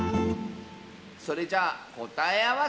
それじゃあこたえあわせ！